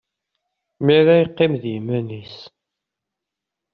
Mi ara yeqqim d yiman-is.